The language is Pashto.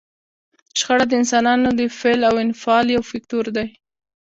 شخړه د انسانانو د فعل او انفعال یو فکتور دی.